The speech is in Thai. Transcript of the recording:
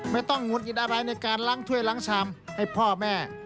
งุดหงิดอะไรในการล้างถ้วยล้างชามให้พ่อแม่